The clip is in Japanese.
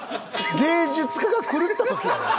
芸術家が狂った時やで？